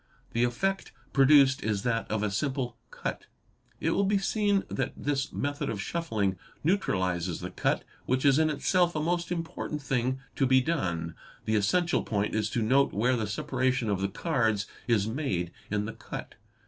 The effect produced is that of a simple cut."' It will be seen that this method of shuffling neutralises the cut which is in itself a most important thing to be done. The essential point is to note where the separation of the cards is made in the cut.